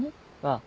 ああ。